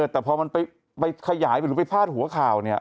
แต่พอมันไปขยายหรือไปพาดหัวข่าวเนี่ย